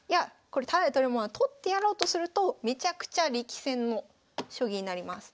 これタダで取れるもんは取ってやろうとするとめちゃくちゃ力戦の将棋になります。